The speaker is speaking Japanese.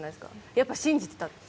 やっぱり信じてた？